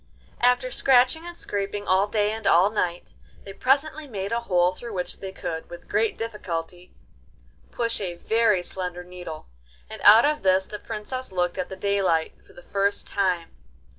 After scratching and scraping all day and all night, they presently made a hole through which they could, with great difficulty, push a very slender needle, and out of this the Princess looked at the daylight for the first time.